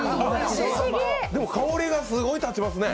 でも、香りがすごいたちますね。